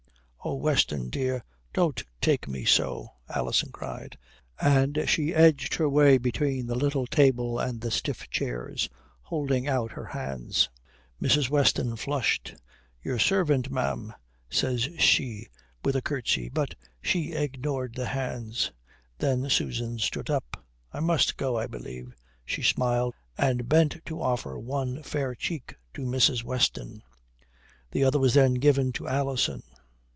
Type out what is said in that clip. "Oh, Weston, dear, don't take me so," Alison cried, and she edged her way between the little table and the stiff chairs, holding out her hands. Mrs. Weston flushed. "Your servant, ma'am," says she with a curtsy, but she ignored the hands. Then Susan stood up. "I must go, I believe," she smiled, and bent to offer one fair cheek to Mrs. Weston. The other was then given to Alison.